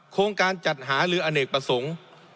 โครงการจัดหาลืออเนกประสงค์